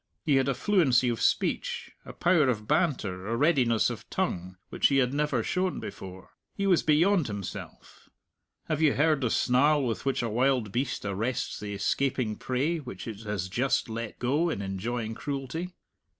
He had a fluency of speech, a power of banter, a readiness of tongue, which he had never shown before. He was beyond himself. Have you heard the snarl with which a wild beast arrests the escaping prey which it has just let go in enjoying cruelty?